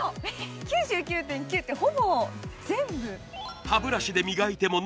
９９．９って、ほぼ全部？